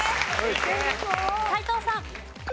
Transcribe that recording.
斎藤さん。